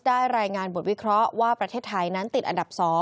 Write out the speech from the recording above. รายงานบทวิเคราะห์ว่าประเทศไทยนั้นติดอันดับ๒